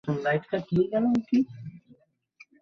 তোর আর ওর ভালোবাসা এক নয়।